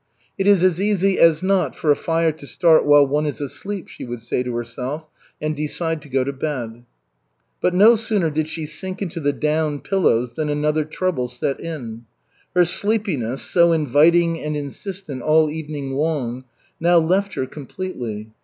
"It is as easy as not for a fire to start while one is asleep," she would say to herself, and decide to go to bed. But no sooner did she sink into the down pillows than another trouble set in. Her sleepiness, so inviting and insistent all evening long, now left her completely.